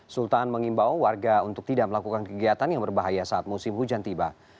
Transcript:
sultan mengimbau warga untuk tidak melakukan kegiatan yang berbahaya saat musim hujan tiba